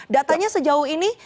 datanya sejauh ini